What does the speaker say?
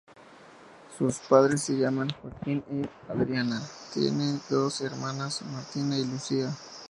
Sus padres se llaman Joaquín y Adriana, tiene dos hermanas, Martina y Lucía.